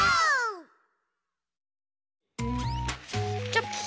チョキ。